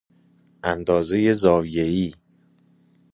اندازه زاویه ای